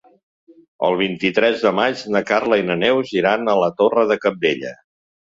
El vint-i-tres de maig na Carla i na Neus iran a la Torre de Cabdella.